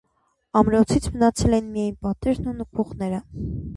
Ամրոցից մնացել են միայն պատերն ու նկուղները։